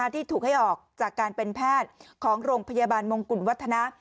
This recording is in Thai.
ที่ถูกให้ออกจากการเป็นแพทย์ของโรงพยาบาลมงกุฎวัฒนะ